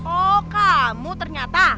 oh kamu ternyata